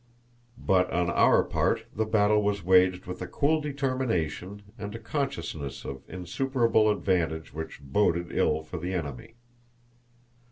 But on our part the battle was waged with a cool determination and a consciousness of insuperable advantage which boded ill for the enemy.